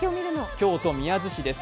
京都宮津市です。